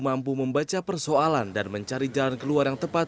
mampu membaca persoalan dan mencari jalan keluar yang tepat